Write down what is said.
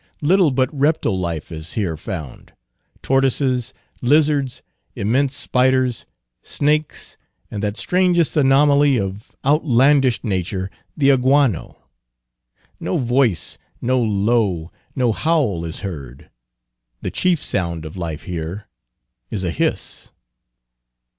Little but reptile life is here found: tortoises, lizards, immense spiders, snakes, and that strangest anomaly of outlandish nature, the aguano. No voice, no low, no howl is heard; the chief sound of life here is a hiss.